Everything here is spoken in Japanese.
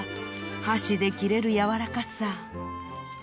箸で切れる軟らかさ］